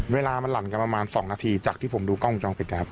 เวลามันหลั่นกันประมาณ๒นาทีจากที่ผมดูกล้องจองปิด